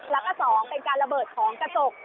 แล้วก็๒เป็นการระเบิดของกระจก